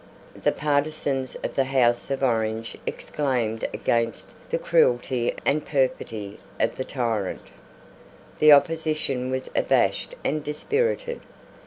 The partisans of the House of Orange exclaimed against the cruelty and perfidy of the tyrant. The opposition was abashed and dispirited.